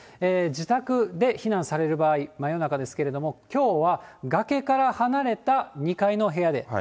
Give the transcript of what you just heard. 自宅で避難される場合、真夜中ですけれども、きょうは崖から離れた２階の部屋で。